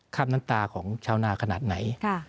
บน้ำตาของชาวนาขนาดไหน